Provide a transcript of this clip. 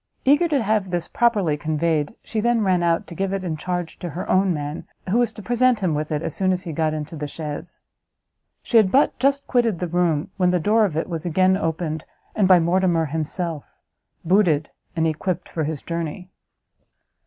Eager to have this properly conveyed, she then ran out, to give it in charge to her own man, who was to present him with it as he got into the chaise. She had but just quitted the room, when the door of it was again opened, and by Mortimer himself, booted, and equipped for his journey.